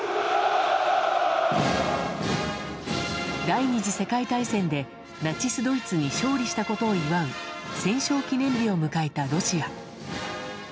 第２次世界大戦でナチスドイツに勝利したことを祝う戦勝記念日を迎えたロシア。